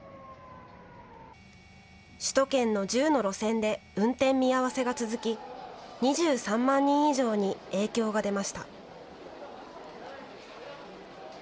首都圏の１０の路線で運転見合わせが続き２３万人以上に影響が出ました。